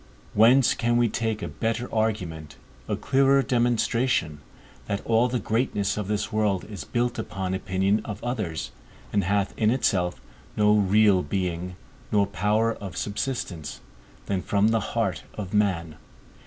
Whence can we take a better argument, a clearer demonstration, that all the greatness of this world is built upon opinion of others and hath in itself no real being, nor power of subsistence, than from the heart of man?